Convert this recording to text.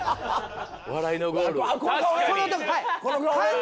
笑いのゴール。